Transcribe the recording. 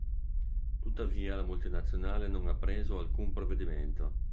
Tuttavia la multinazionale non ha preso alcun provvedimento.